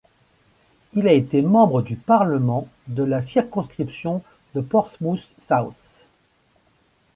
Il a été membre du Parlement de la circonscription de Portsmouth South.